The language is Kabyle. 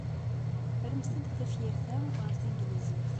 Rremt-d tafyirt-a ɣer tanglizit.